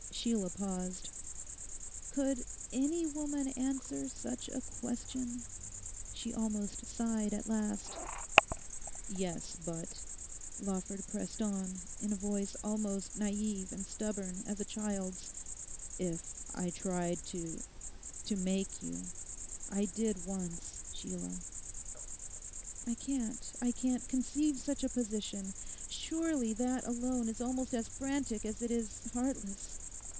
Sheila paused. 'Could any woman answer such a question?' she almost sighed at last. 'Yes, but,' Lawford pressed on, in a voice almost naive and stubborn as a child's, 'If I tried to—to make you? I did once, Sheila.' 'I can't, I can't conceive such a position. Surely that alone is almost as frantic as it is heartless!